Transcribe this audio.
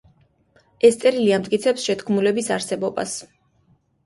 ეს წერილი ამტკიცებს შეთქმულების არსებობას.